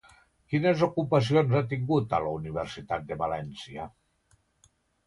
Quines ocupacions ha tingut a la Universitat de València?